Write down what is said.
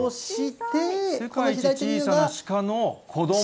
世界一小さなシカの子ども。